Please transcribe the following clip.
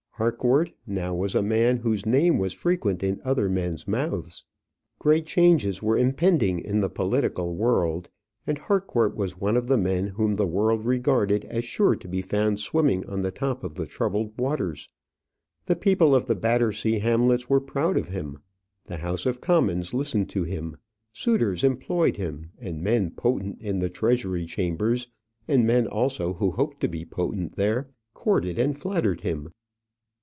Harcourt now was a man whose name was frequent in other men's mouths. Great changes were impending in the political world, and Harcourt was one of the men whom the world regarded as sure to be found swimming on the top of the troubled waters. The people of the Battersea Hamlets were proud of him, the House of Commons listened to him, suitors employed him, and men potent in the Treasury chambers, and men also who hoped to be potent there, courted and flattered him.